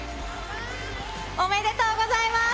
おめでとうございます。